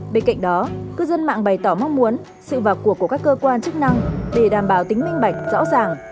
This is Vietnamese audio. bên cạnh đó cư dân mạng bày tỏ mong muốn sự vào cuộc của các cơ quan chức năng để đảm bảo tính minh bạch rõ ràng